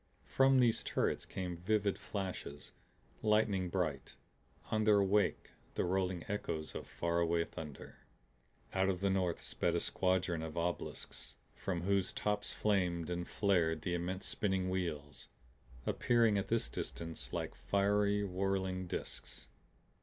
From these turrets came vivid flashes, lightning bright on their wake the rolling echoes of faraway thunder. Out of the north sped a squadron of obelisks from whose tops flamed and flared the immense spinning wheels, appearing at this distance like fiery whirling disks.